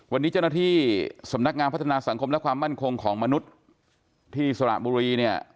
วันนี้เจ้าหน้าที่สำนักงานพัฒนาสังคมและความมั่นคงของมนุษย์ที่สระบุรีเนี่ย